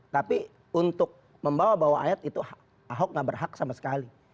tapi untuk membawa bawa ayat itu ahok gak berhak sama sekali